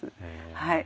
はい。